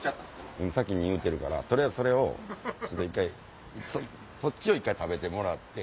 先に言うてるから取りあえずそれをちょっと１回そっちを１回食べてもらって。